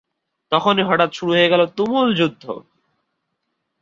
তখনই হঠাৎ শুরু হয়ে গেল তুমুল যুদ্ধ।